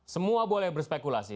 semua boleh berspekulasi